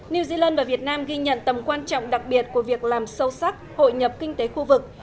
new zealand và việt nam ghi nhận tầm quan trọng đặc biệt của việc làm sâu sắc hội nhập kinh tế khu vực